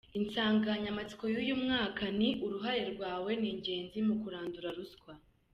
Insanganyamatsiko y’uyu mwaka ni: “Uruhare rwawe ni ingenzi mu kurandura ruswa ”.